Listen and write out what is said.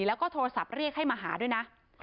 แล้วก็โทรศัพท์เรียกให้มาหาด้วยนะ